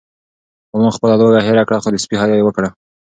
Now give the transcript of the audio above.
غلام خپله لوږه هېره کړه خو د سپي حیا یې وکړه.